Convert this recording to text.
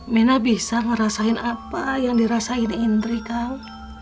man bisa merasakan apa yang dirasakan indri kang